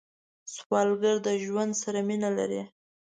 سوالګر د ژوند سره مینه لري